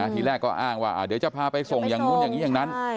ทีแรกก็อ้างว่าเดี๋ยวจะพาไปส่งอย่างนู้นอย่างนี้อย่างนั้น